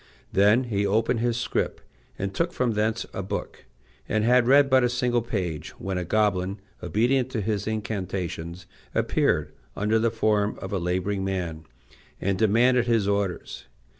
Then he opened his scrip, and took from thence a book, and had read but a single page when a goblin, obedient to his incantations, appeared, under the form of a laboring man, and demanded his orders.